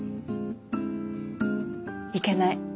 いけない。